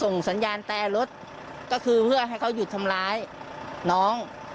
สัญญาณแต่รถก็คือเพื่อให้เขาหยุดทำร้ายน้อง